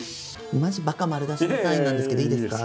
マジばか丸出しのサインなんですけどいいですか？